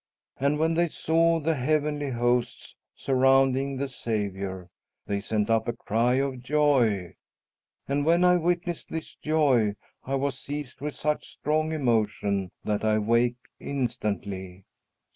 And when they saw the heavenly hosts surrounding the Saviour, they sent up a cry of joy, and when I witnessed this joy, I was seized with such strong emotion that I waked instantly.